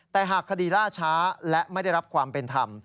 แต่หากคดีล่าช้าและไม่ได้รับความเป็นธรรม